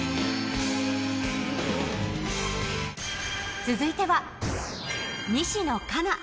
続いては、西野カナ。